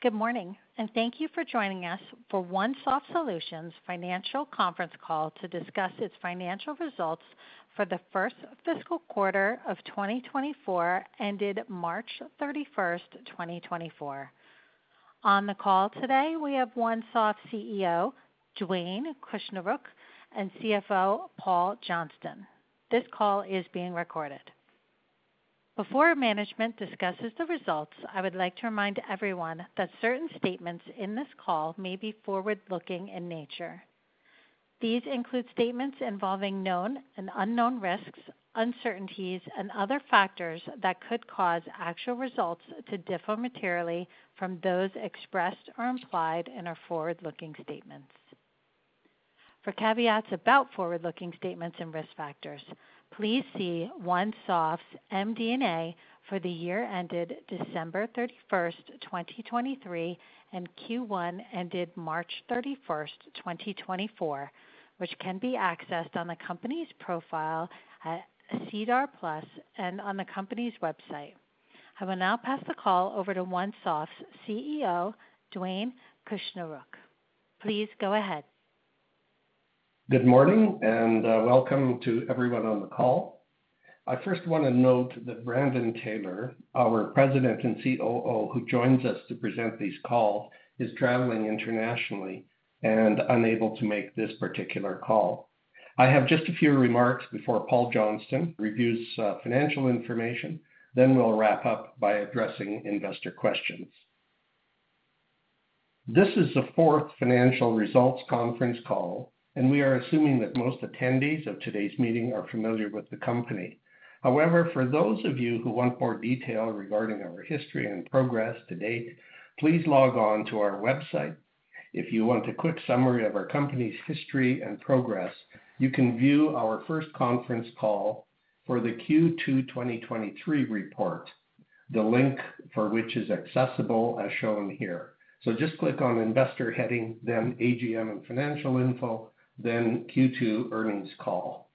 Good morning, and thank you for joining us for OneSoft Solutions Financial Conference Call to discuss its financial results for the first fiscal quarter of 2024, ended March 31, 2024. On the call today, we have OneSoft CEO, Dwayne Kushniruk, and CFO, Paul Johnston. This call is being recorded. Before management discusses the results, I would like to remind everyone that certain statements in this call may be forward-looking in nature. These include statements involving known and unknown risks, uncertainties, and other factors that could cause actual results to differ materially from those expressed or implied in our forward-looking statements. For caveats about forward-looking statements and risk factors, please see OneSoft's MD&A for the year ended December 31, 2023, and Q1, ended March 31, 2024, which can be accessed on the company's profile at SEDAR+ and on the company's website. I will now pass the call over to OneSoft's CEO, Dwayne Kushniruk. Please go ahead. Good morning, and welcome to everyone on the call. I first wanna note that Brandon Taylor, our President and COO, who joins us to present this call, is traveling internationally and unable to make this particular call. I have just a few remarks before Paul Johnston reviews financial information, then we'll wrap up by addressing investor questions. This is the fourth financial results conference call, and we are assuming that most attendees of today's meeting are familiar with the company. However, for those of you who want more detail regarding our history and progress to date, please log on to our website. If you want a quick summary of our company's history and progress, you can view our first conference call for the Q2 2023 report, the link for which is accessible as shown here. So just click on Investor heading, then AGM and Financial Info, then Q2 Earnings Call.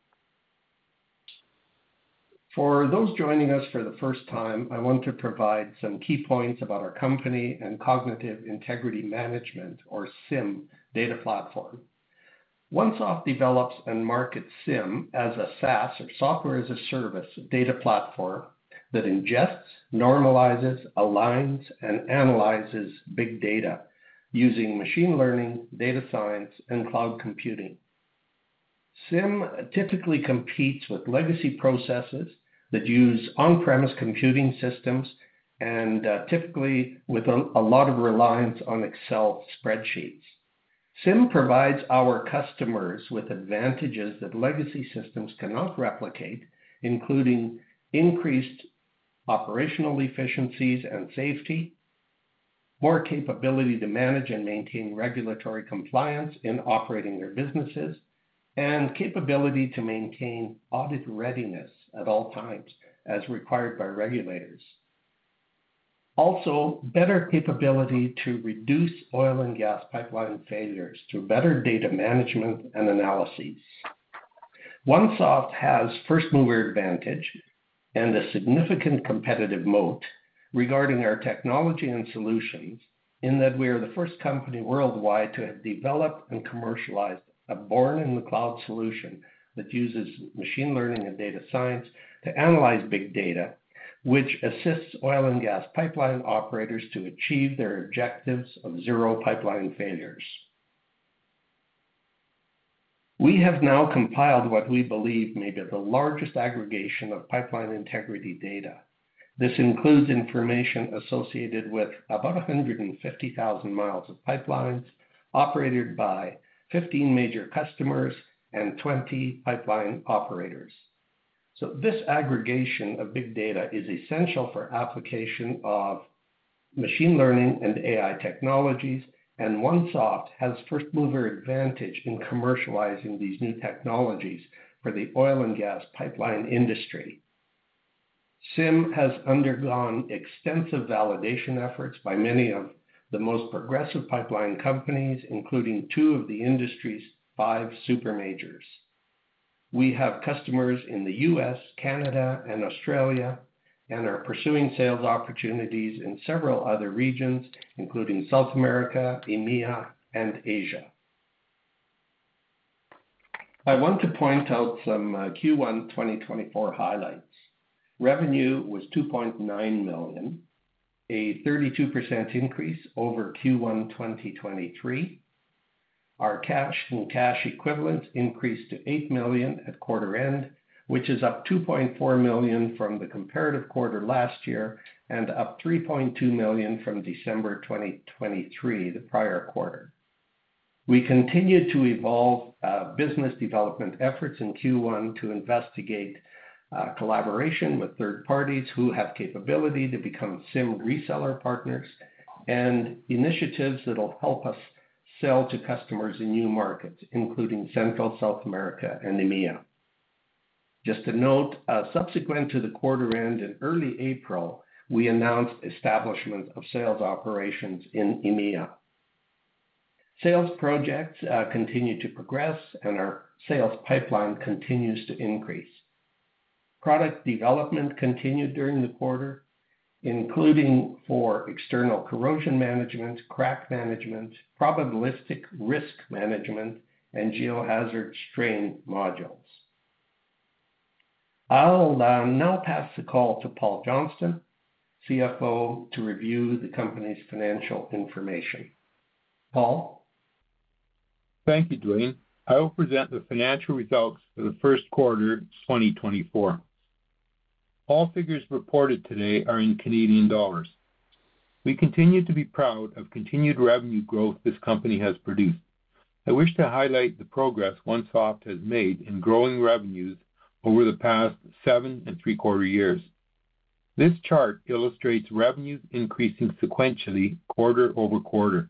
For those joining us for the first time, I want to provide some key points about our company and Cognitive Integrity Management, or CIM, data platform. OneSoft develops and markets CIM as a SaaS, or Software as a Service, data platform that ingests, normalizes, aligns, and analyzes big data using machine learning, data science, and cloud computing. CIM typically competes with legacy processes that use on-premise computing systems and typically with a lot of reliance on Excel spreadsheets. CIM provides our customers with advantages that legacy systems cannot replicate, including increased operational efficiencies and safety, more capability to manage and maintain regulatory compliance in operating their businesses, and capability to maintain audit readiness at all times, as required by regulators. Also, better capability to reduce oil and gas pipeline failures through better data management and analyses. OneSoft has first-mover advantage and a significant competitive moat regarding our technology and solutions, in that we are the first company worldwide to have developed and commercialized a born-in-the-cloud solution that uses machine learning and data science to analyze big data, which assists oil and gas pipeline operators to achieve their objectives of zero pipeline failures. We have now compiled what we believe may be the largest aggregation of pipeline integrity data. This includes information associated with about 150,000 miles of pipelines operated by 15 major customers and 20 pipeline operators. So this aggregation of big data is essential for application of machine learning and AI technologies, and OneSoft has first-mover advantage in commercializing these new technologies for the oil and gas pipeline industry. CIM has undergone extensive validation efforts by many of the most progressive pipeline companies, including two of the industry's five supermajors. We have customers in the U.S., Canada, and Australia, and are pursuing sales opportunities in several other regions, including South America, EMEA, and Asia. I want to point out some Q1 2024 highlights. Revenue was 2.9 million, a 32% increase over Q1 2023. Our cash and cash equivalent increased to 8 million at quarter end, which is up 2.4 million from the comparative quarter last year, and up 3.2 million from December 2023, the prior quarter. We continued to evolve, business development efforts in Q1 to investigate, collaboration with third parties who have capability to become CIM reseller partners, and initiatives that'll help us sell to customers in new markets, including Central South America and EMEA. Just to note, subsequent to the quarter end in early April, we announced establishment of sales operations in EMEA. Sales projects continue to progress, and our sales pipeline continues to increase. Product development continued during the quarter, including for external corrosion management, crack management, probabilistic risk management, and geohazard strain modules. I'll now pass the call to Paul Johnston, CFO, to review the company's financial information. Paul? Thank you, Dwayne. I will present the financial results for the first quarter, 2024. All figures reported today are in Canadian dollars. We continue to be proud of continued revenue growth this company has produced. I wish to highlight the progress OneSoft has made in growing revenues over the past 7 and 3/4 years. This chart illustrates revenues increasing sequentially quarter-over-quarter.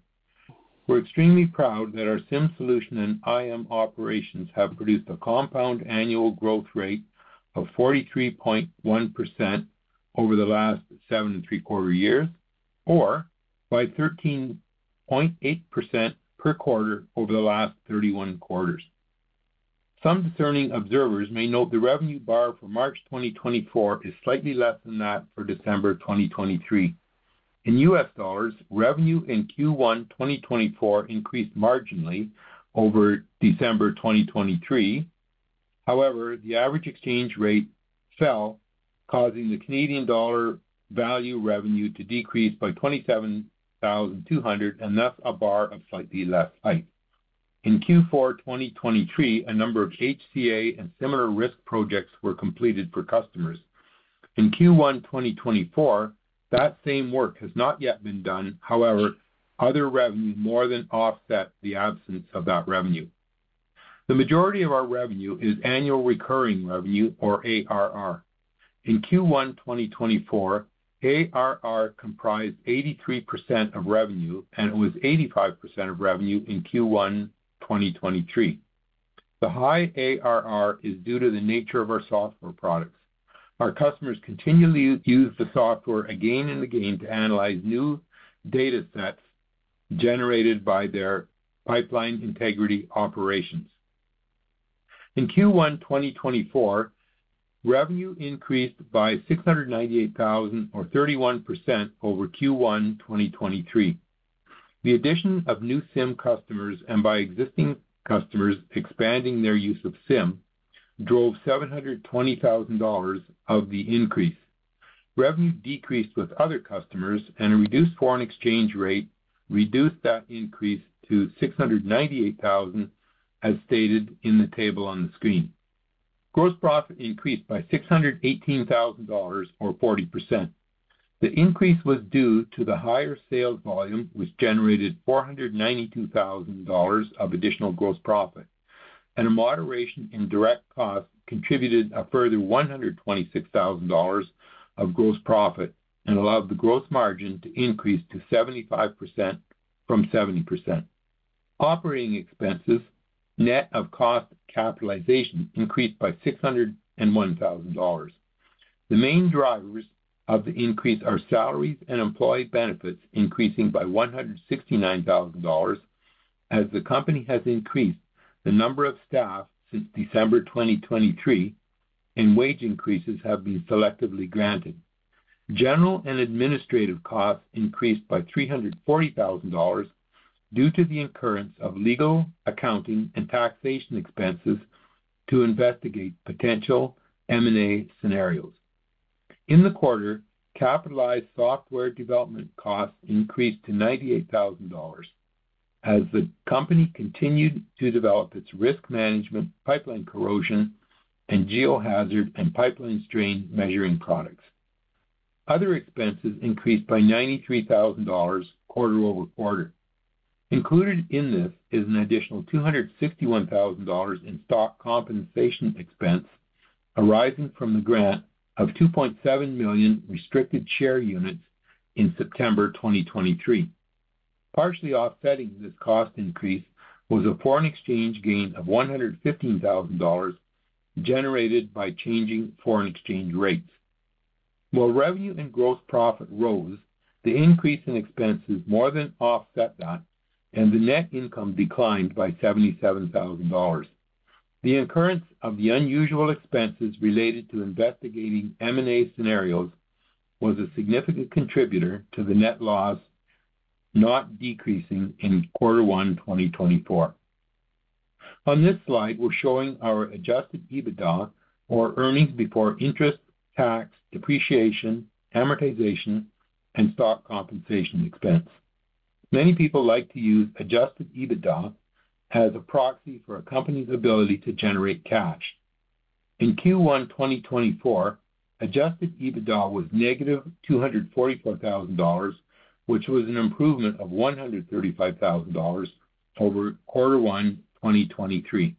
We're extremely proud that our CIM solution and IM Operations have produced a compound annual growth rate of 43.1% over the last 7 and 3/4 years, or by 13.8% per quarter over the last 31 quarters. Some discerning observers may note the revenue bar for March 2024 is slightly less than that for December 2023. In U.S. dollars, revenue in Q1 2024 increased marginally over December 2023. However, the average exchange rate fell, causing the Canadian dollar value revenue to decrease by 27,200, and thus, a bar of slightly less height. In Q4 2023, a number of HCA and similar risk projects were completed for customers. In Q1 2024, that same work has not yet been done. However, other revenue more than offset the absence of that revenue. The majority of our revenue is annual recurring revenue, or ARR. In Q1 2024, ARR comprised 83% of revenue, and it was 85% of revenue in Q1 2023. The high ARR is due to the nature of our software products. Our customers continually use the software again and again to analyze new data sets generated by their pipeline integrity operations. In Q1 2024, revenue increased by 698,000 or 31% over Q1 2023. The addition of new CIM customers and by existing customers expanding their use of CIM drove 720,000 dollars of the increase. Revenue decreased with other customers, and a reduced foreign exchange rate reduced that increase to 698,000, as stated in the table on the screen. Gross profit increased by 618,000 dollars, or 40%. The increase was due to the higher sales volume, which generated 492,000 dollars of additional gross profit, and a moderation in direct costs contributed a further 126,000 dollars of gross profit and allowed the gross margin to increase to 75% from 70%. Operating expenses, net of cost capitalization, increased by 601,000 dollars. The main drivers of the increase are salaries and employee benefits, increasing by 169 thousand dollars, as the company has increased the number of staff since December 2023, and wage increases have been selectively granted. General and administrative costs increased by 340 thousand dollars due to the incurrence of legal, accounting, and taxation expenses to investigate potential M&A scenarios. In the quarter, capitalized software development costs increased to 98 thousand dollars as the company continued to develop its risk management, pipeline corrosion, and geohazard, and pipeline strain measuring products. Other expenses increased by 93 thousand dollars quarter-over-quarter. Included in this is an additional 261 thousand dollars in stock compensation expense arising from the grant of 2.7 million restricted share units in September 2023. Partially offsetting this cost increase was a foreign exchange gain of $115,000, generated by changing foreign exchange rates. While revenue and gross profit rose, the increase in expenses more than offset that, and the net income declined by $77,000. The occurrence of the unusual expenses related to investigating M&A scenarios was a significant contributor to the net loss, not decreasing in quarter 1, 2024. On this slide, we're showing our Adjusted EBITDA, or earnings before interest, tax, depreciation, amortization, and stock compensation expense. Many people like to use Adjusted EBITDA as a proxy for a company's ability to generate cash. In Q1 2024, Adjusted EBITDA was -$244,000, which was an improvement of $135,000 over quarter 1, 2023.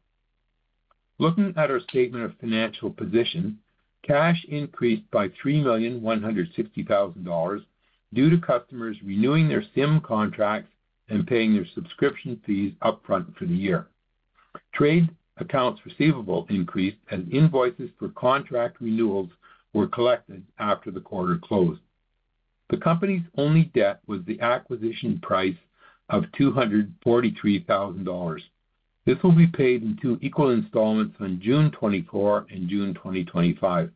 Looking at our statement of financial position, cash increased by 3.16 million due to customers renewing their CIM contracts and paying their subscription fees upfront for the year. Trade accounts receivable increased, and invoices for contract renewals were collected after the quarter closed. The company's only debt was the acquisition price of 243 thousand dollars. This will be paid in two equal installments on June 2024 and June 2025.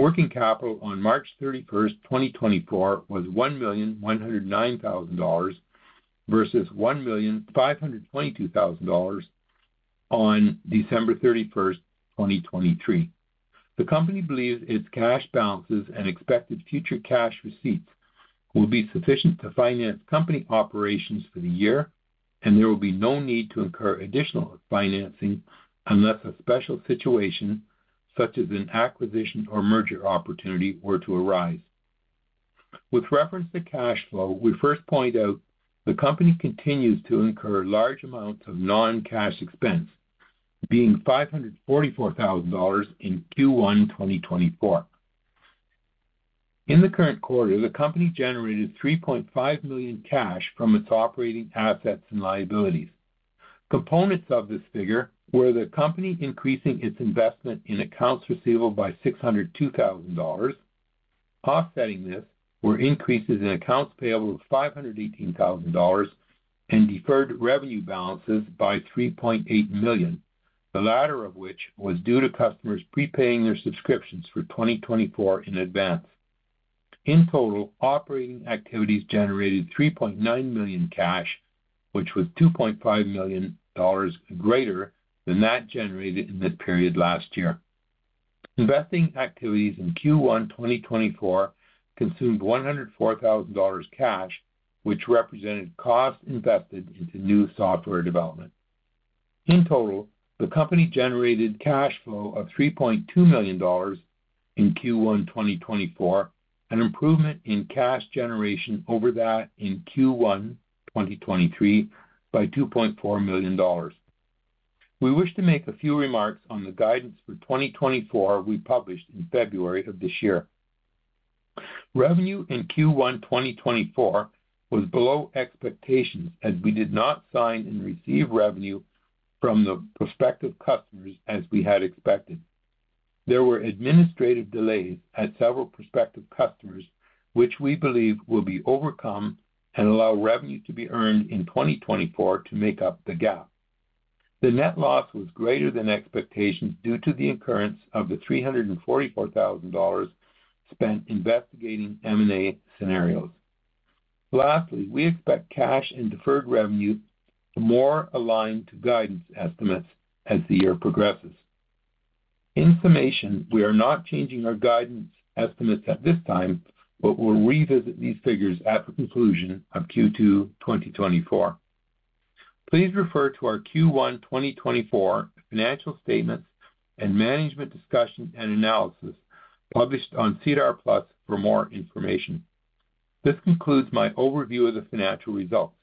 Working capital on March 31, 2024, was 1.109 million, versus 1.522 million on December 31, 2023. The company believes its cash balances and expected future cash receipts will be sufficient to finance company operations for the year, and there will be no need to incur additional financing unless a special situation, such as an acquisition or merger opportunity, were to arise. With reference to cash flow, we first point out the company continues to incur large amounts of non-cash expense, being CAD 544,000 in Q1 2024. In the current quarter, the company generated 3.5 million cash from its operating assets and liabilities. Components of this figure were the company increasing its investment in accounts receivable by 602,000 dollars. Offsetting this were increases in accounts payable of 518 thousand dollars and deferred revenue balances by 3.8 million, the latter of which was due to customers prepaying their subscriptions for 2024 in advance. In total, operating activities generated 3.9 million cash, which was 2.5 million dollars greater than that generated in the period last year. Investing activities in Q1 2024 consumed CAD 104 thousand cash, which represented costs invested into new software development. In total, the company generated cash flow of 3.2 million dollars in Q1 2024, an improvement in cash generation over that in Q1 2023, by 2.4 million dollars. We wish to make a few remarks on the guidance for 2024 we published in February of this year. Revenue in Q1 2024 was below expectations as we did not sign and receive revenue from the prospective customers as we had expected. There were administrative delays at several prospective customers, which we believe will be overcome and allow revenue to be earned in 2024 to make up the gap. The net loss was greater than expectations due to the occurrence of 344,000 dollars spent investigating M&A scenarios. Lastly, we expect cash and deferred revenue to more align to guidance estimates as the year progresses. In summation, we are not changing our guidance estimates at this time, but we'll revisit these figures at the conclusion of Q2 2024. Please refer to our Q1 2024 financial statements and Management's Discussion and Analysis published on SEDAR+ for more information. This concludes my overview of the financial results.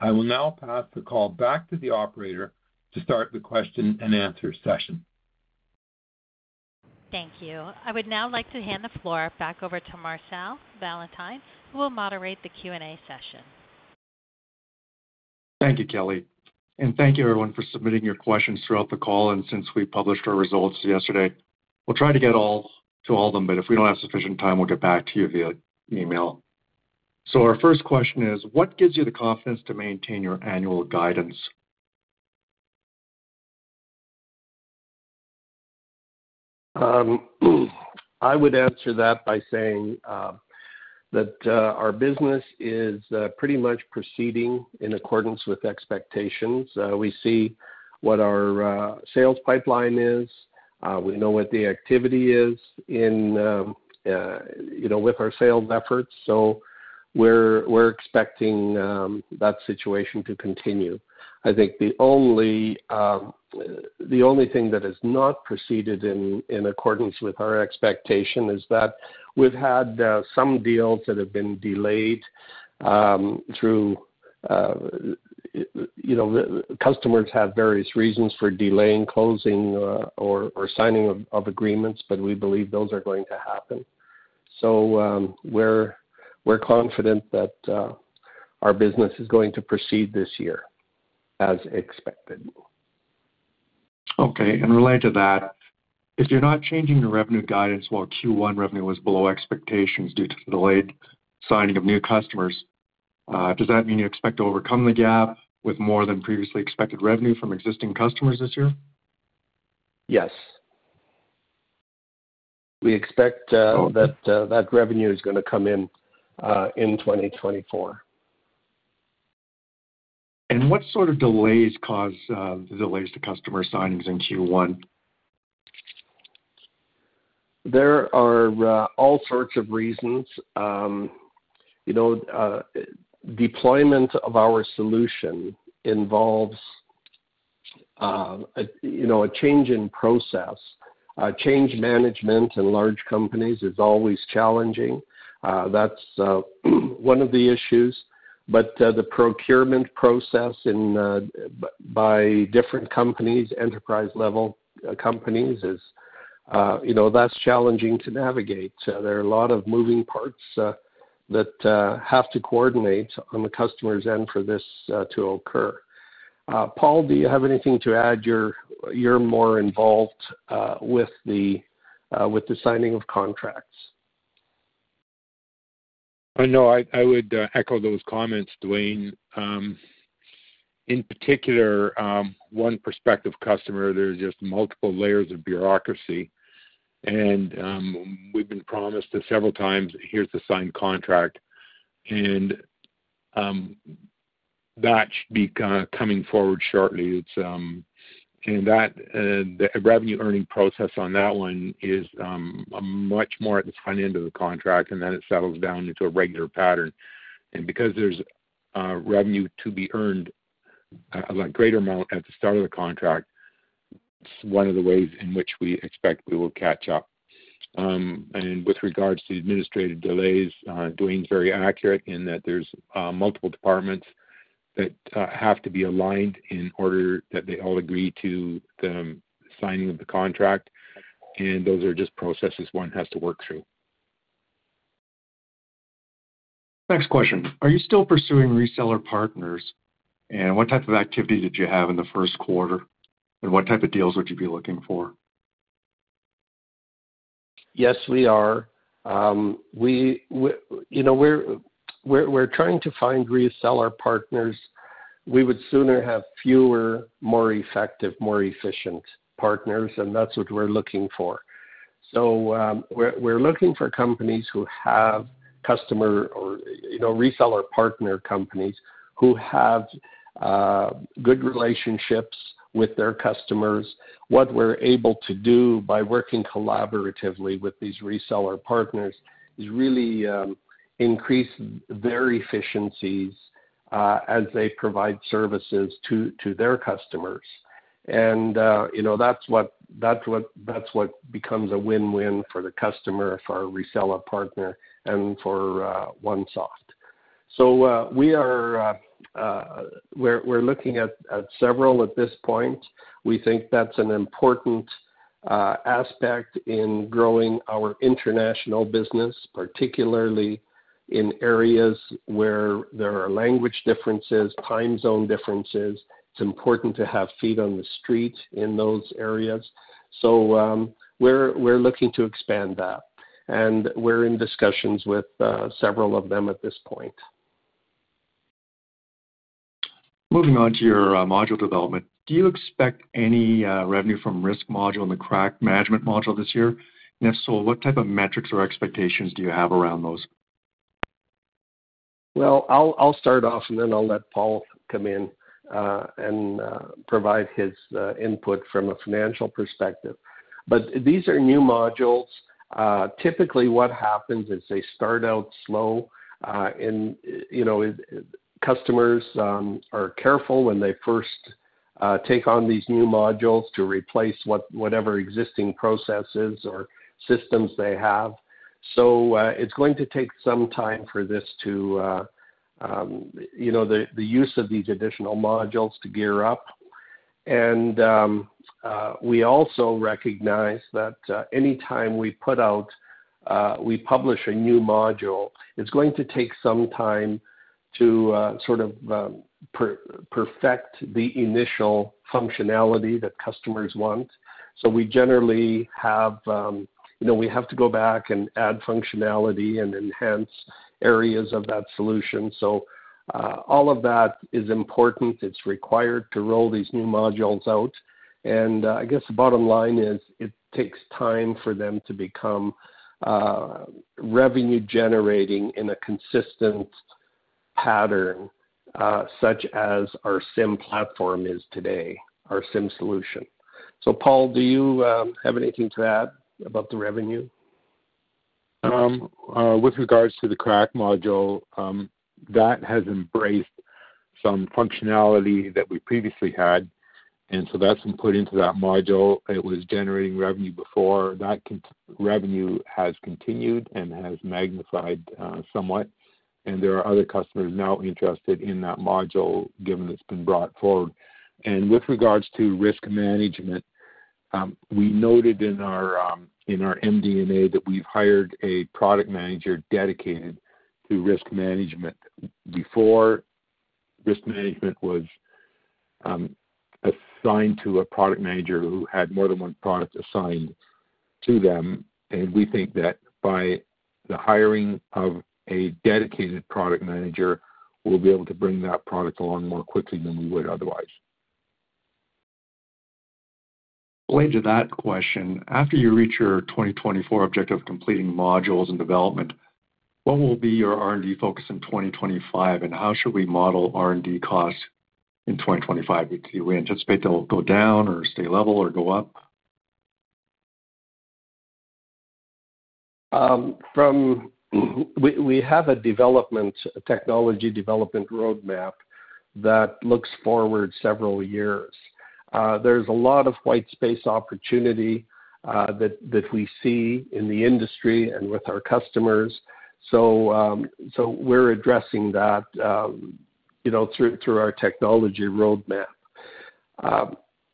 I will now pass the call back to the operator to start the question and answer session. Thank you. I would now like to hand the floor back over to Marcel Valentin, who will moderate the Q&A session. Thank you, Kelly, and thank you everyone for submitting your questions throughout the call, and since we published our results yesterday. We'll try to get to all of them, but if we don't have sufficient time, we'll get back to you via email. So our first question is: What gives you the confidence to maintain your annual guidance? I would answer that by saying that our business is pretty much proceeding in accordance with expectations. We see what our sales pipeline is. We know what the activity is in, you know, with our sales efforts, so we're expecting that situation to continue. I think the only, the only thing that has not proceeded in accordance with our expectation is that we've had some deals that have been delayed through, you know, the customers have various reasons for delaying, closing or signing of agreements, but we believe those are going to happen. So, we're confident that our business is going to proceed this year as expected. Okay, and related to that, if you're not changing your revenue guidance, while Q1 revenue was below expectations due to delayed signing of new customers, does that mean you expect to overcome the gap with more than previously expected revenue from existing customers this year? Yes. We expect that revenue is gonna come in in 2024. What sort of delays caused the delays to customer signings in Q1? There are all sorts of reasons. You know, deployment of our solution involves you know, a change in process. Change management in large companies is always challenging. That's one of the issues. But the procurement process by different companies, enterprise-level companies, is-... you know, that's challenging to navigate. So there are a lot of moving parts that have to coordinate on the customer's end for this to occur. Paul, do you have anything to add? You're more involved with the signing of contracts. No, I would echo those comments, Dwayne. In particular, one prospective customer, there are just multiple layers of bureaucracy, and we've been promised several times, here's the signed contract, and that should be kind of coming forward shortly. It's... And that, the revenue-earning process on that one is much more at the front end of the contract, and then it settles down into a regular pattern. And because there's revenue to be earned, a greater amount at the start of the contract, it's one of the ways in which we expect we will catch up. With regards to the administrative delays, Dwayne's very accurate in that there's multiple departments that have to be aligned in order that they all agree to the signing of the contract, and those are just processes one has to work through. Next question: Are you still pursuing reseller partners, and what type of activity did you have in the first quarter, and what type of deals would you be looking for? Yes, we are. You know, we're trying to find reseller partners. We would sooner have fewer, more effective, more efficient partners, and that's what we're looking for. So, we're looking for companies who have customer or, you know, reseller partner companies who have good relationships with their customers. What we're able to do by working collaboratively with these reseller partners is really increase their efficiencies as they provide services to their customers. And, you know, that's what becomes a win-win for the customer, for our reseller partner, and for OneSoft. So, we are, we're looking at several at this point. We think that's an important aspect in growing our international business, particularly in areas where there are language differences, time zone differences. It's important to have feet on the street in those areas. So, we're looking to expand that, and we're in discussions with several of them at this point. Moving on to your module development. Do you expect any revenue from risk module and the crack management module this year? And if so, what type of metrics or expectations do you have around those? Well, I'll start off, and then I'll let Paul come in and provide his input from a financial perspective. But these are new modules. Typically, what happens is they start out slow, and, you know, customers are careful when they first take on these new modules to replace whatever existing processes or systems they have. So, it's going to take some time for this to, you know, the use of these additional modules to gear up. And, we also recognize that, any time we put out, we publish a new module, it's going to take some time to, sort of, perfect the initial functionality that customers want. So we generally have, you know, we have to go back and add functionality and enhance areas of that solution. So, all of that is important. It's required to roll these new modules out, and, I guess the bottom line is, it takes time for them to become, revenue-generating in a consistent pattern, such as our CIM platform is today, our CIM solution. So Paul, do you have anything to add about the revenue? With regards to the crack module, that has embraced some functionality that we previously had, and so that's been put into that module. It was generating revenue before. That revenue has continued and has magnified, somewhat, and there are other customers now interested in that module, given it's been brought forward. And with regards to risk management, we noted in our MD&A that we've hired a product manager dedicated to risk management. Before, risk management was assigned to a product manager who had more than one product assigned to them, and we think that by the hiring of a dedicated product manager, we'll be able to bring that product along more quickly than we would otherwise. Related to that question, after you reach your 2024 objective of completing modules and development, what will be your R&D focus in 2025, and how should we model R&D costs in 2025? Do we anticipate they'll go down or stay level or go up? We have a development, technology development roadmap that looks forward several years. There's a lot of white space opportunity that we see in the industry and with our customers. So, we're addressing that, you know, through our technology roadmap.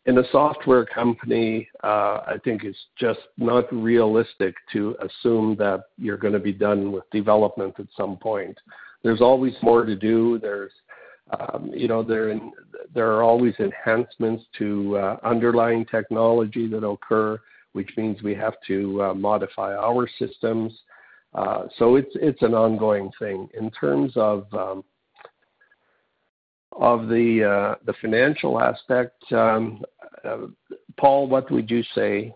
In a software company, I think it's just not realistic to assume that you're gonna be done with development at some point. There's always more to do. You know, there are always enhancements to underlying technology that occur, which means we have to modify our systems. So it's an ongoing thing. In terms of the financial aspect, Paul, what would you say?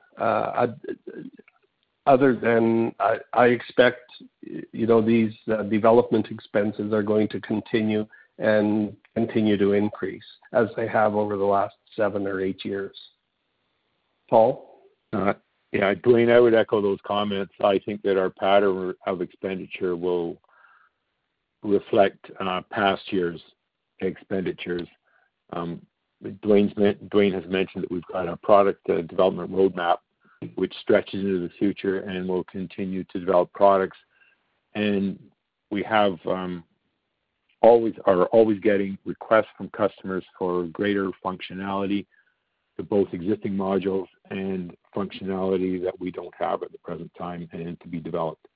Other than I, I expect, you know, these development expenses are going to continue and continue to increase as they have over the last seven or eight years. Paul? Yeah, Dwayne, I would echo those comments. I think that our pattern of expenditure will reflect past years' expenditures. Dwayne has mentioned that we've got a product development roadmap which stretches into the future and will continue to develop products. And we are always getting requests from customers for greater functionality to both existing modules and functionality that we don't have at the present time and to be developed.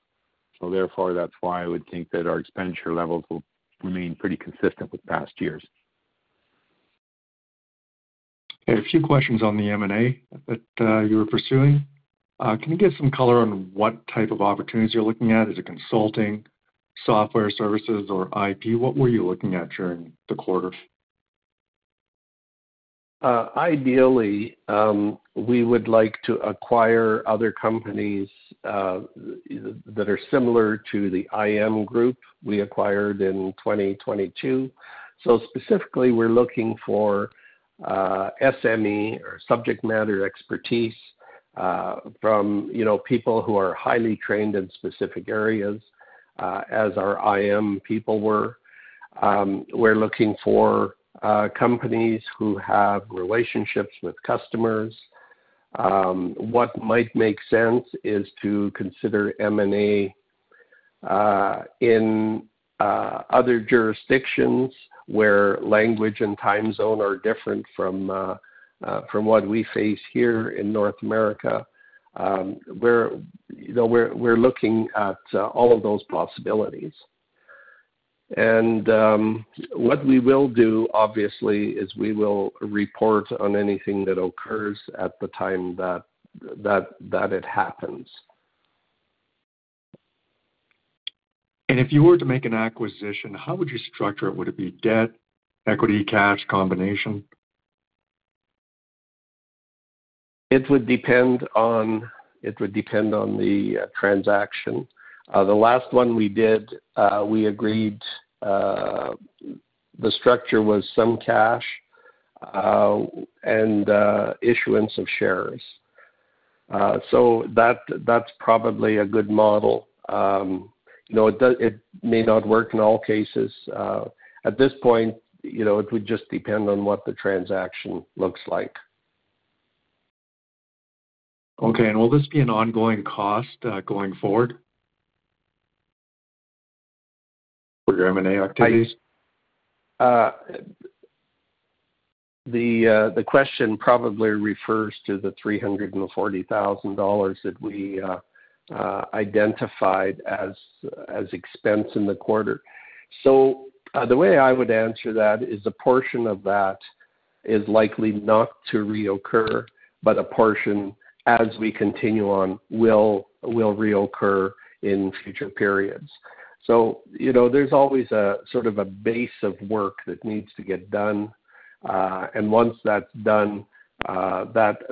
So therefore, that's why I would think that our expenditure levels will remain pretty consistent with past years. Okay, a few questions on the M&A that you were pursuing. Can you give some color on what type of opportunities you're looking at? Is it consulting, software services, or IP? What were you looking at during the quarter? Ideally, we would like to acquire other companies that are similar to the IM group we acquired in 2022. So specifically, we're looking for SME or subject matter expertise from, you know, people who are highly trained in specific areas as our IM people were. We're looking for companies who have relationships with customers. What might make sense is to consider M&A in other jurisdictions where language and time zone are different from what we face here in North America. We're, you know, looking at all of those possibilities. And what we will do, obviously, is we will report on anything that occurs at the time that it happens. If you were to make an acquisition, how would you structure it? Would it be debt, equity, cash, combination? It would depend on, it would depend on the transaction. The last one we did, we agreed, the structure was some cash, and issuance of shares. So that, that's probably a good model. You know, it may not work in all cases. At this point, you know, it would just depend on what the transaction looks like. Okay. And will this be an ongoing cost, going forward for M&A activities? The question probably refers to the 340,000 dollars that we identified as expense in the quarter. So, the way I would answer that is, a portion of that is likely not to reoccur, but a portion, as we continue on, will reoccur in future periods. So, you know, there's always a sort of a base of work that needs to get done, and once that's done, that'll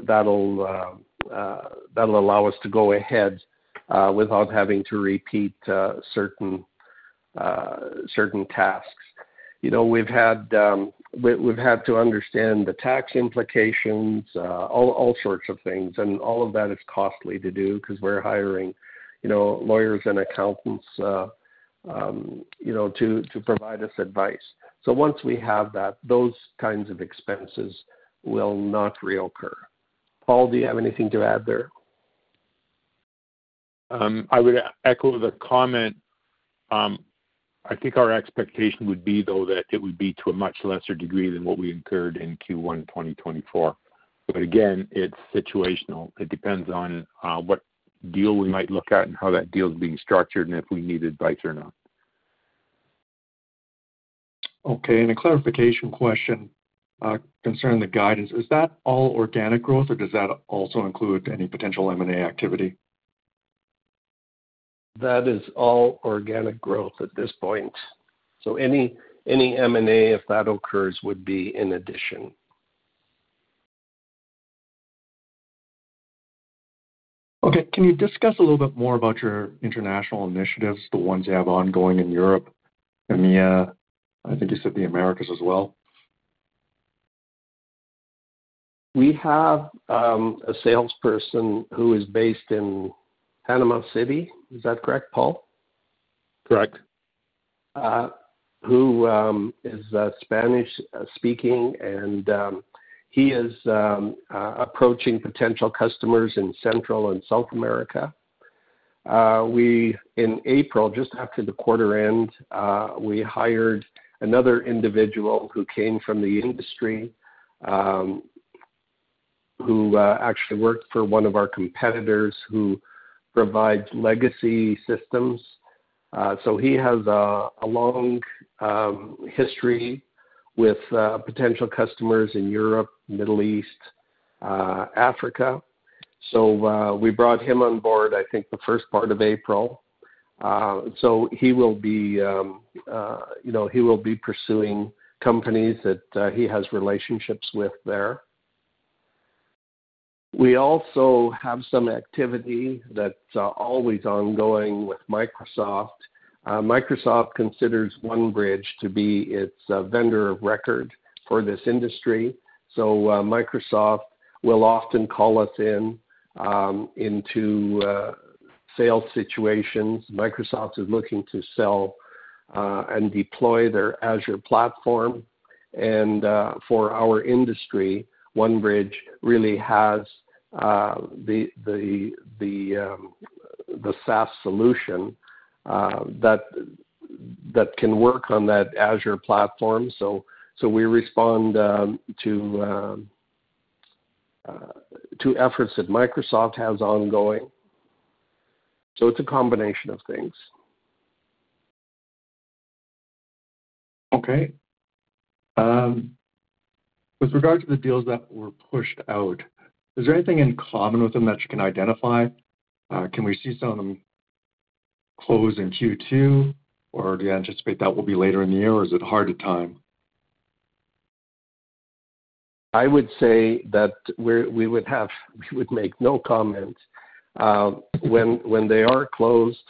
allow us to go ahead without having to repeat certain tasks. You know, we've had to understand the tax implications, all sorts of things, and all of that is costly to do 'cause we're hiring, you know, lawyers and accountants, you know, to provide us advice. Once we have that, those kinds of expenses will not reoccur. Paul, do you have anything to add there? I would echo the comment. I think our expectation would be, though, that it would be to a much lesser degree than what we incurred in Q1 2024. But again, it's situational. It depends on what deal we might look at and how that deal is being structured and if we need advice or not. Okay, and a clarification question, concerning the guidance. Is that all organic growth, or does that also include any potential M&A activity? That is all organic growth at this point. So any M&A, if that occurs, would be in addition. Okay. Can you discuss a little bit more about your international initiatives, the ones you have ongoing in Europe and the, I think you said the Americas as well? We have a salesperson who is based in Panama City. Is that correct, Paul? Correct. Who is Spanish-speaking, and he is approaching potential customers in Central and South America. In April, just after the quarter end, we hired another individual who came from the industry, who actually worked for one of our competitors who provides legacy systems. So he has a long history with potential customers in Europe, Middle East, Africa. So we brought him on board, I think, the first part of April. So he will be, you know, he will be pursuing companies that he has relationships with there. We also have some activity that's always ongoing with Microsoft. Microsoft considers OneBridge to be its vendor of record for this industry, so Microsoft will often call us in into sales situations. Microsoft is looking to sell, and deploy their Azure platform. For our industry, OneBridge really has the SaaS solution that can work on that Azure platform. So we respond to efforts that Microsoft has ongoing. So it's a combination of things. Okay. With regard to the deals that were pushed out, is there anything in common with them that you can identify? Can we see some of them close in Q2, or do you anticipate that will be later in the year, or is it hard to time? I would say that we would make no comment. When they are closed,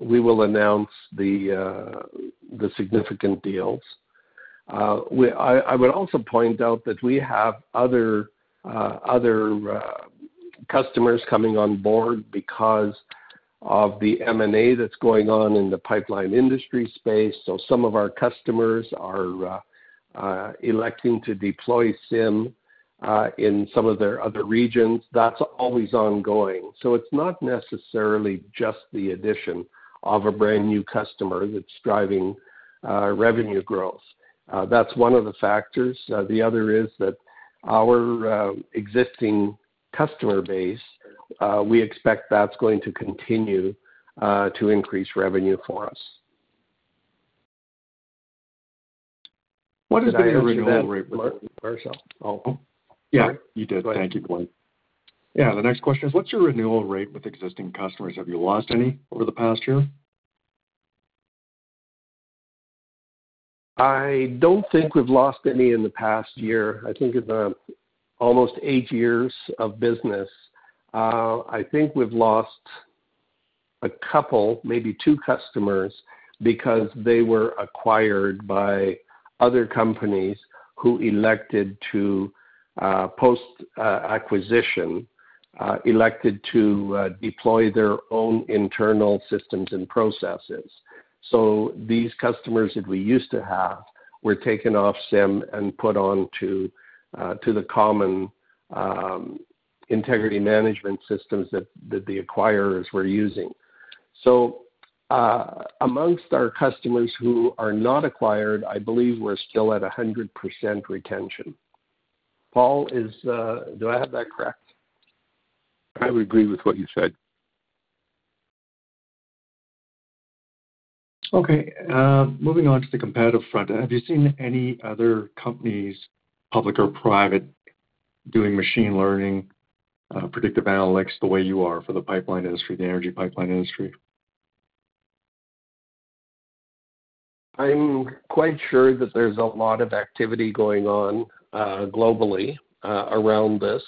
we will announce the significant deals. I would also point out that we have other customers coming on board because of the M&A that's going on in the pipeline industry space. So some of our customers are electing to deploy CIM in some of their other regions. That's always ongoing. So it's not necessarily just the addition of a brand-new customer that's driving revenue growth. That's one of the factors. The other is that our existing customer base, we expect that's going to continue to increase revenue for us. What is the original rate- Did I answer that earlier myself? Oh. Yeah, you did. Thank you, Lord. Yeah, the next question is, what's your renewal rate with existing customers? Have you lost any over the past year? I don't think we've lost any in the past year. I think in the almost 8 years of business, I think we've lost a couple, maybe 2 customers, because they were acquired by other companies who elected to post-acquisition deploy their own internal systems and processes. So these customers that we used to have were taken off CIM and put on to the common integrity management systems that the acquirers were using. So, amongst our customers who are not acquired, I believe we're still at 100% retention. Paul, is... Do I have that correct? I would agree with what you said. Okay, moving on to the competitive front, have you seen any other companies, public or private, doing machine learning, predictive analytics, the way you are for the pipeline industry, the energy pipeline industry? I'm quite sure that there's a lot of activity going on globally around this,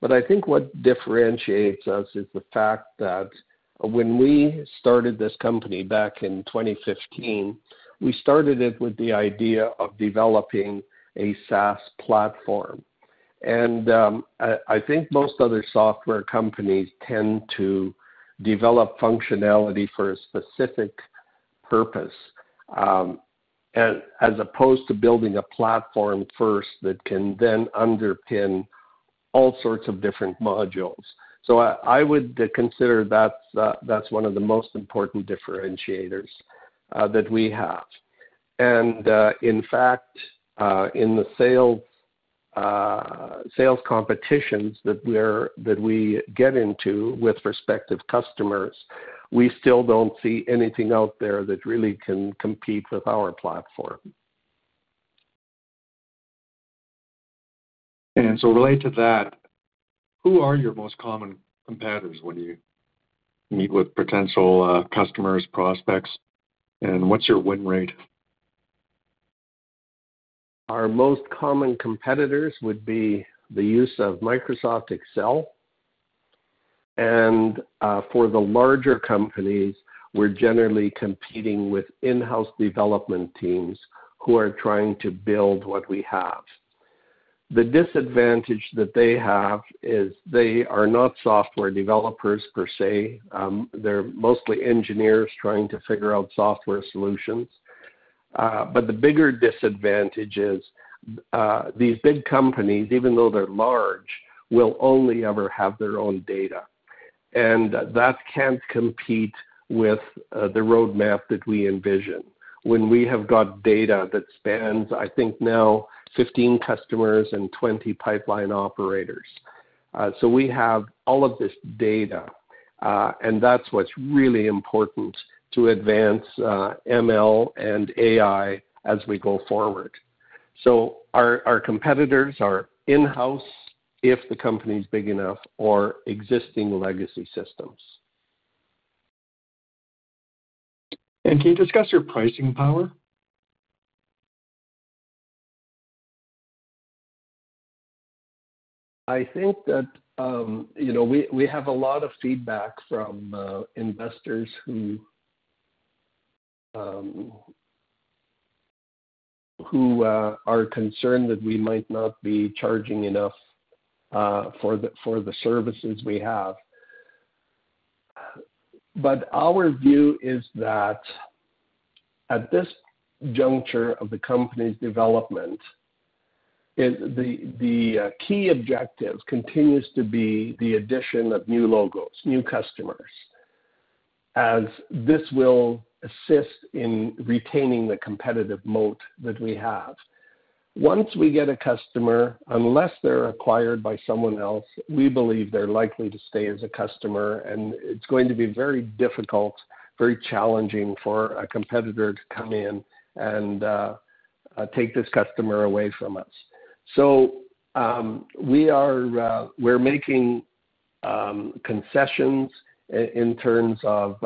but I think what differentiates us is the fact that when we started this company back in 2015, we started it with the idea of developing a SaaS platform. And I think most other software companies tend to develop functionality for a specific purpose as opposed to building a platform first that can then underpin all sorts of different modules. So I would consider that's one of the most important differentiators that we have. And in fact, in the sales competitions that we get into with prospective customers, we still don't see anything out there that really can compete with our platform. And so related to that, who are your most common competitors when you meet with potential customers, prospects, and what's your win rate? Our most common competitors would be the use of Microsoft Excel, and for the larger companies, we're generally competing with in-house development teams who are trying to build what we have. The disadvantage that they have is they are not software developers per se, they're mostly engineers trying to figure out software solutions. But the bigger disadvantage is these big companies, even though they're large, will only ever have their own data, and that can't compete with the roadmap that we envision. When we have got data that spans, I think now 15 customers and 20 pipeline operators. So we have all of this data, and that's what's really important to advance ML and AI as we go forward. So our competitors are in-house, if the company is big enough, or existing legacy systems. Can you discuss your pricing power? I think that, you know, we have a lot of feedback from investors who are concerned that we might not be charging enough for the services we have. But our view is that at this juncture of the company's development, the key objective continues to be the addition of new logos, new customers, as this will assist in retaining the competitive moat that we have. Once we get a customer, unless they're acquired by someone else, we believe they're likely to stay as a customer, and it's going to be very difficult, very challenging for a competitor to come in and take this customer away from us. So, we are, we're making concessions in terms of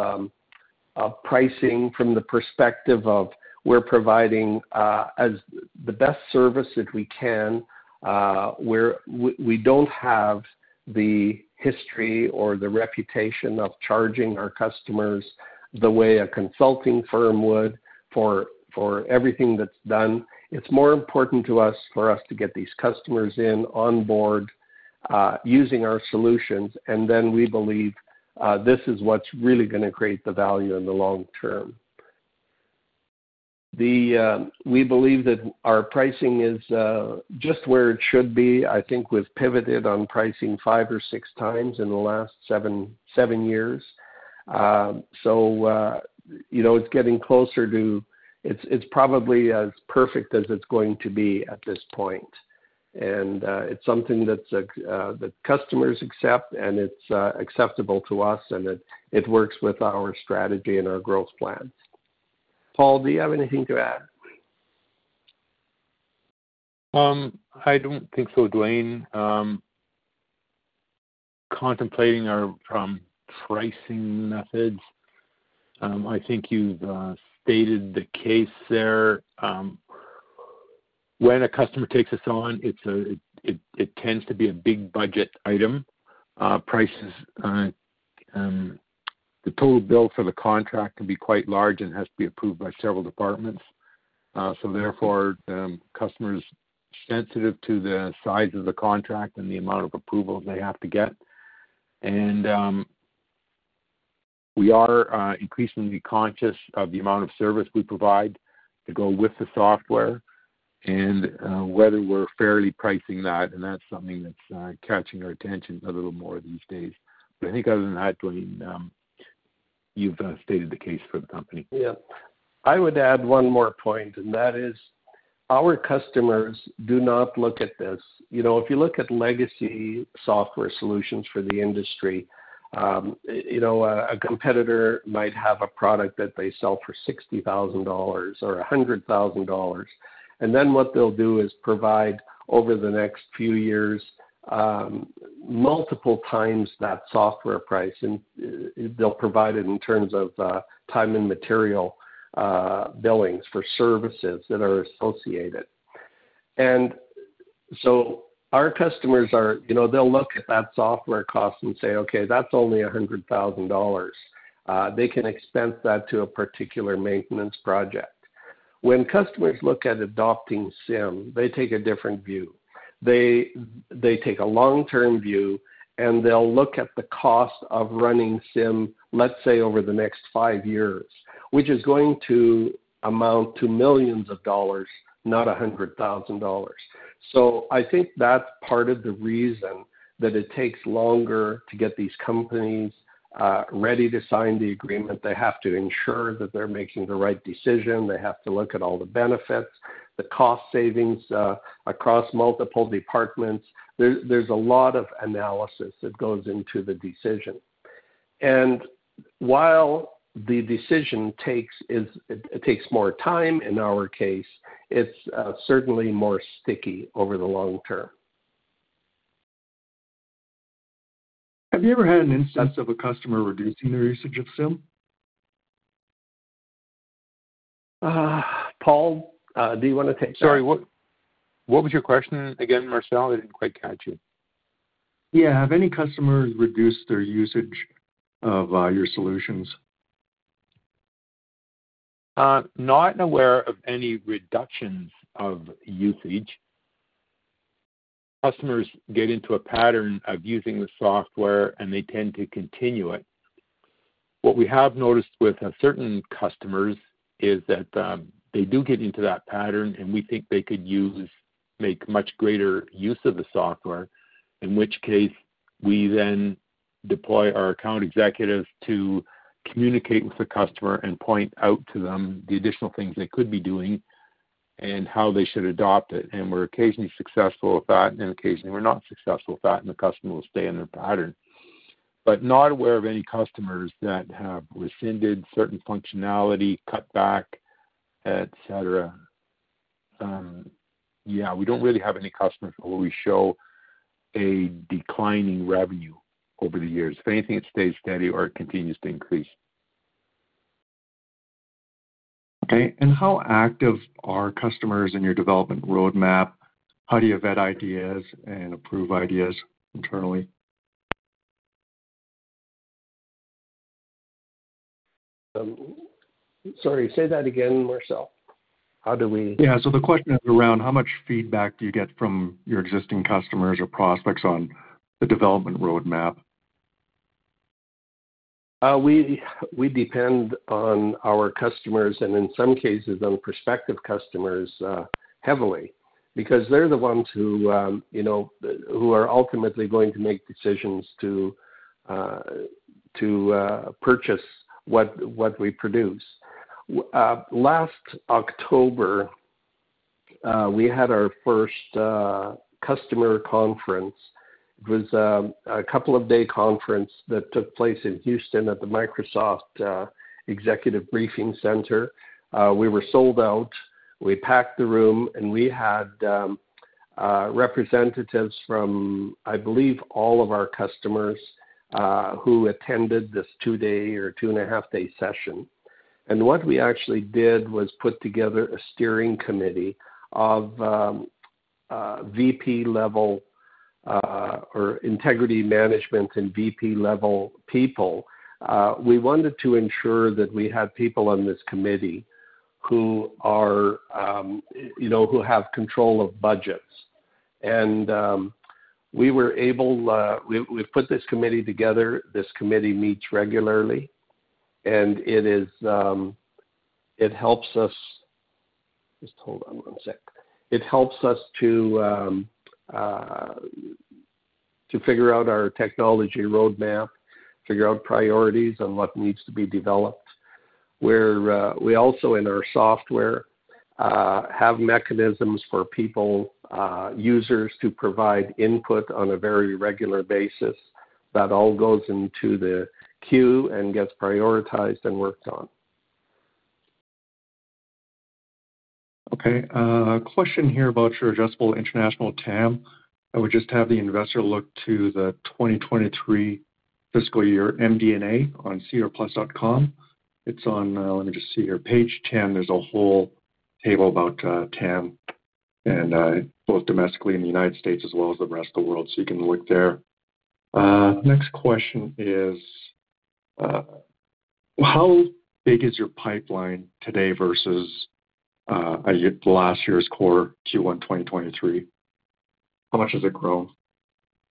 pricing from the perspective of we're providing as the best service that we can, where we don't have the history or the reputation of charging our customers the way a consulting firm would for everything that's done. It's more important to us, for us to get these customers onboard using our solutions, and then we believe this is what's really gonna create the value in the long term. We believe that our pricing is just where it should be. I think we've pivoted on pricing five or six times in the last seven years. So, you know, it's getting closer to it. It's probably as perfect as it's going to be at this point. It's something that the customers accept, and it's acceptable to us, and it works with our strategy and our growth plans. Paul, do you have anything to add? I don't think so, Dwayne. Contemplating our pricing methods, I think you've stated the case there. When a customer takes us on, it tends to be a big budget item. Prices, the total bill for the contract can be quite large and has to be approved by several departments. So therefore, the customer is sensitive to the size of the contract and the amount of approval they have to get. And we are increasingly conscious of the amount of service we provide to go with the software and whether we're fairly pricing that, and that's something that's catching our attention a little more these days. But I think other than that, Dwayne, you've stated the case for the company. Yeah. I would add one more point, and that is our customers do not look at this. You know, if you look at legacy software solutions for the industry, a competitor might have a product that they sell for $60,000 or $100,000, and then what they'll do is provide over the next few years multiple times that software price, and they'll provide it in terms of time and material billings for services that are associated. And so our customers are, you know, they'll look at that software cost and say, "Okay, that's only $100,000." They can expense that to a particular maintenance project. When customers look at adopting CIM, they take a different view. They, they take a long-term view, and they'll look at the cost of running CIM, let's say, over the next five years, which is going to amount to $ millions, not $100,000. So I think that's part of the reason that it takes longer to get these companies ready to sign the agreement. They have to ensure that they're making the right decision. They have to look at all the benefits, the cost savings, across multiple departments. There's, there's a lot of analysis that goes into the decision. And while the decision takes, it takes more time; in our case, it's certainly more sticky over the long term. Have you ever had an instance of a customer reducing their usage of CIM? Paul, do you wanna take that? Sorry, what, what was your question again, Marcel? I didn't quite catch you. Yeah. Have any customers reduced their usage of your solutions? Not aware of any reductions of usage.... customers get into a pattern of using the software, and they tend to continue it. What we have noticed with certain customers is that they do get into that pattern, and we think they could make much greater use of the software, in which case we then deploy our account executives to communicate with the customer and point out to them the additional things they could be doing and how they should adopt it. And we're occasionally successful at that, and occasionally we're not successful with that, and the customer will stay in their pattern. But not aware of any customers that have rescinded certain functionality, cut back, et cetera. Yeah, we don't really have any customers where we show a declining revenue over the years. If anything, it stays steady or it continues to increase. Okay, and how active are customers in your development roadmap? How do you vet ideas and approve ideas internally? Sorry, say that again, Marcel. How do we- Yeah. The question is around: How much feedback do you get from your existing customers or prospects on the development roadmap? We depend on our customers and in some cases, on prospective customers, heavily, because they're the ones who, you know, who are ultimately going to make decisions to purchase what we produce. Last October, we had our first customer conference. It was a couple of day conference that took place in Houston at the Microsoft Executive Briefing Center. We were sold out. We packed the room, and we had representatives from, I believe, all of our customers, who attended this two-day or two-and-a-half day session. And what we actually did was put together a steering committee of VP-level or integrity management and VP-level people. We wanted to ensure that we had people on this committee who are, you know, who have control of budgets. We were able to put this committee together. This committee meets regularly, and it helps us... Just hold on one sec. It helps us to figure out our technology roadmap, figure out priorities on what needs to be developed. We also, in our software, have mechanisms for people, users, to provide input on a very regular basis. That all goes into the queue and gets prioritized and worked on. Okay. Question here about your adjustable international TAM. I would just have the investor look to the 2023 fiscal year MD&A on SEDAR+. It's on, let me just see here, page 10, there's a whole table about, TAM and, both domestically in the United States as well as the rest of the world, so you can look there. Next question is, how big is your pipeline today versus, last year's core Q1-2023? How much has it grown?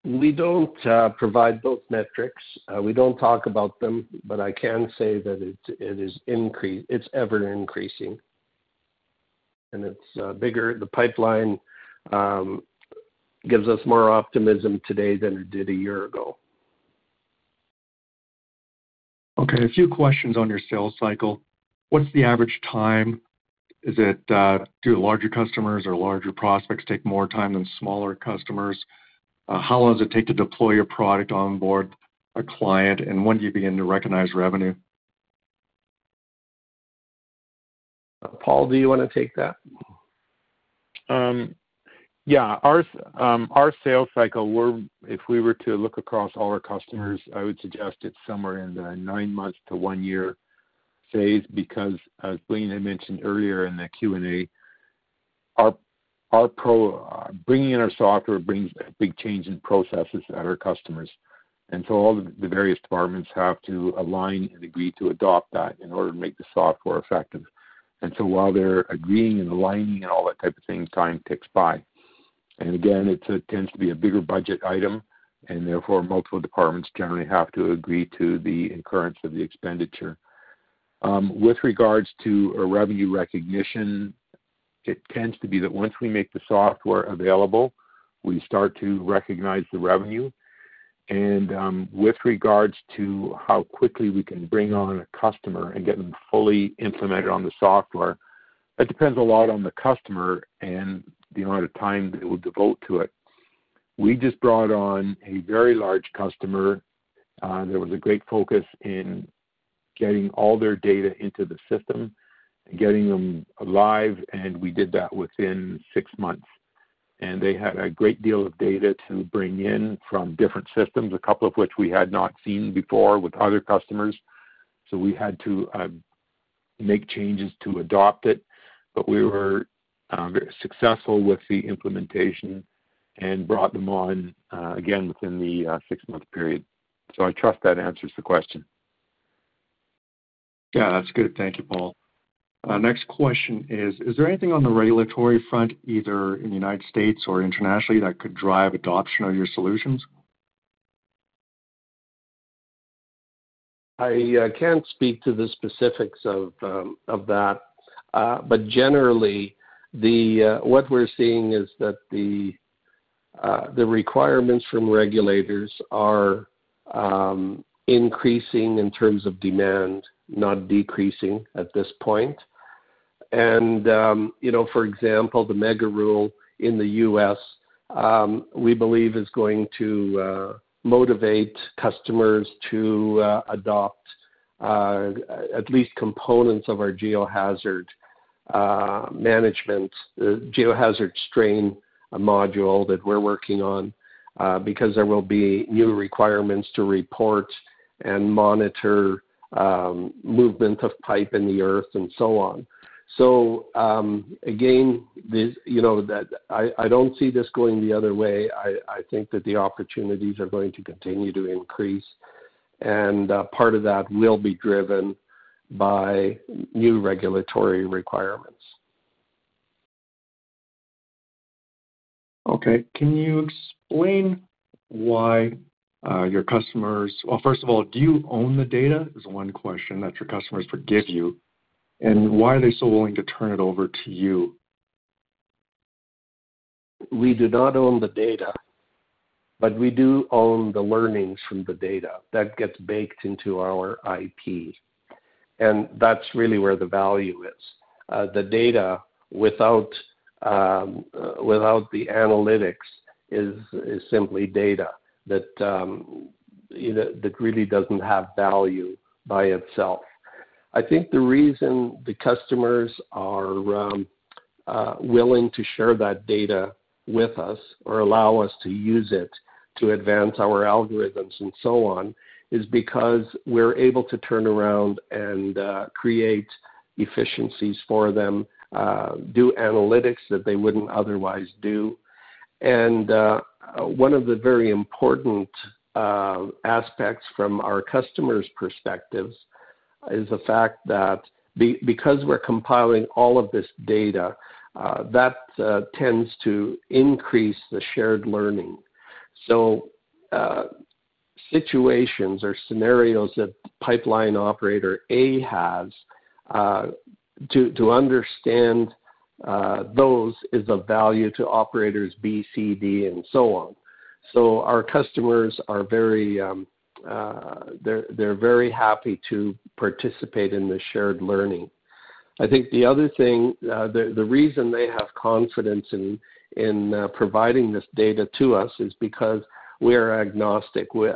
We don't provide both metrics. We don't talk about them, but I can say that it is ever-increasing, and it's bigger. The pipeline gives us more optimism today than it did a year ago. Okay, a few questions on your sales cycle. What's the average time? Is it, do larger customers or larger prospects take more time than smaller customers? How long does it take to deploy your product on board a client, and when do you begin to recognize revenue? Paul, do you want to take that? Yeah. Our, our sales cycle, if we were to look across all our customers, I would suggest it's somewhere in the 9 months to 1 year phase. Because as Dwayne had mentioned earlier in the Q&A, our bringing in our software brings a big change in processes at our customers, and so all the, the various departments have to align and agree to adopt that in order to make the software effective. And so while they're agreeing and aligning and all that type of thing, time ticks by. And again, it tends to be a bigger budget item, and therefore, multiple departments generally have to agree to the incurrence of the expenditure. With regards to a revenue recognition, it tends to be that once we make the software available, we start to recognize the revenue. With regards to how quickly we can bring on a customer and get them fully implemented on the software, that depends a lot on the customer and the amount of time they will devote to it. We just brought on a very large customer. There was a great focus in getting all their data into the system and getting them live, and we did that within 6 months. They had a great deal of data to bring in from different systems, a couple of which we had not seen before with other customers. So we had to make changes to adopt it, but we were successful with the implementation and brought them on, again, within the 6-month period. I trust that answers the question. ... Yeah, that's good. Thank you, Paul. Next question is: Is there anything on the regulatory front, either in the United States or internationally, that could drive adoption of your solutions? I can't speak to the specifics of that, but generally, what we're seeing is that the requirements from regulators are increasing in terms of demand, not decreasing at this point. And, you know, for example, the Mega Rule in the U.S., we believe is going to motivate customers to adopt at least components of our geohazard management geohazard strain module that we're working on, because there will be new requirements to report and monitor movement of pipe in the earth and so on. So, again, this, you know, that I don't see this going the other way. I think that the opportunities are going to continue to increase, and part of that will be driven by new regulatory requirements. Okay. Can you explain why, your customers-- Well, first of all, do you own the data? Is one question that your customers forgive you, and why are they so willing to turn it over to you? We do not own the data, but we do own the learnings from the data. That gets baked into our IP, and that's really where the value is. The data, without the analytics, is simply data that, you know, really doesn't have value by itself. I think the reason the customers are willing to share that data with us or allow us to use it to advance our algorithms and so on, is because we're able to turn around and create efficiencies for them, do analytics that they wouldn't otherwise do. And one of the very important aspects from our customers' perspectives is the fact that because we're compiling all of this data, that tends to increase the shared learning. So, situations or scenarios that pipeline operator A has to understand those is of value to operators B, C, D, and so on. So our customers are very happy to participate in the shared learning. I think the other thing, the reason they have confidence in providing this data to us, is because we are agnostic. We,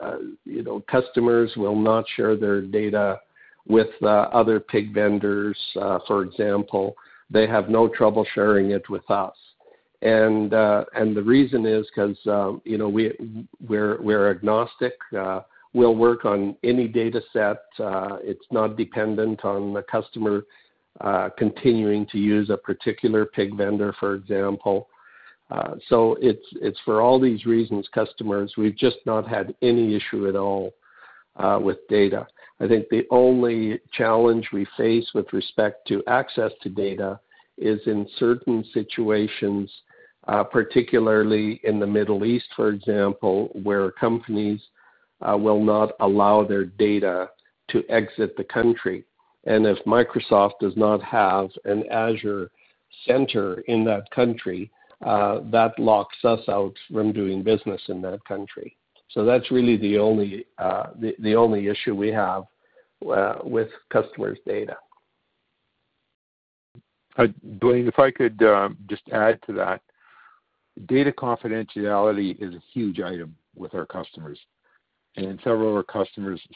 you know, customers will not share their data with other pig vendors, for example. They have no trouble sharing it with us. And the reason is 'cause, you know, we're agnostic. We'll work on any dataset. It's not dependent on the customer continuing to use a particular pig vendor, for example. So it's for all these reasons, customers, we've just not had any issue at all with data. I think the only challenge we face with respect to access to data is in certain situations, particularly in the Middle East, for example, where companies will not allow their data to exit the country. And if Microsoft does not have an Azure center in that country, that locks us out from doing business in that country. So that's really the only issue we have with customers' data. Dwayne, if I could, just add to that. Data confidentiality is a huge item with our customers, and several of our customers-